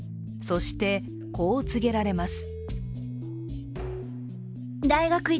そして、こう告げられます。